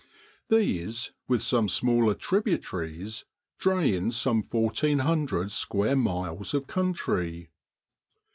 These, with some smaller tribu taries, drain some fourteen hundred square miles of country.